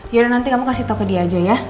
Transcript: yaudah nanti kamu kasih tau ke dia aja ya